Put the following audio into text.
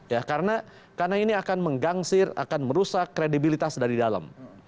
ya karena ini akan menggangsir akan merusak kredibilitas dari dalam